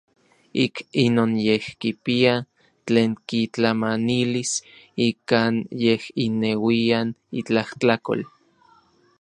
Ik inon yej kipia tlen kitlamanilis ikan yej ineuian itlajtlakol.